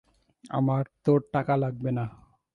আমার তোর টাকা লাগবে না।